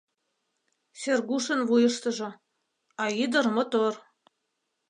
Сергушын вуйыштыжо: «А ӱдыр мотор.